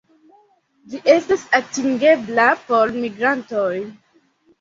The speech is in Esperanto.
Ĝi estas atingebla por migrantoj.